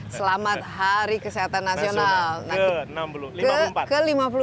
selamat hari kesehatan nasional ke lima puluh empat